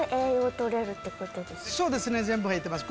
そうですね全部入ってます